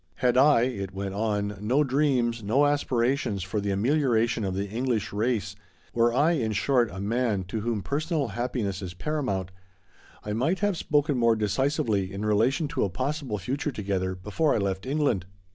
" Had I [it went on] no dreams, no aspira tions for the amelioration of the English race — were I, in short, a man to whom personal happiness is paramount— I might have spoken more decisively in relation to a possible future together before I left England.